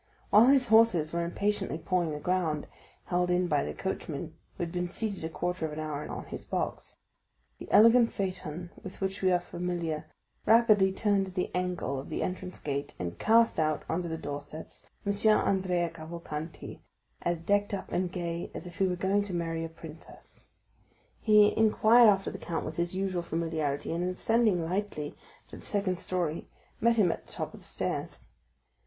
While his horses were impatiently pawing the ground, held in by the coachman, who had been seated a quarter of an hour on his box, the elegant phaeton with which we are familiar rapidly turned the angle of the entrance gate, and cast out on the doorsteps M. Andrea Cavalcanti, as decked up and gay as if he were going to marry a princess. He inquired after the count with his usual familiarity, and ascending lightly to the first story met him at the top of the stairs.